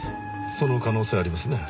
その可能性ありますね。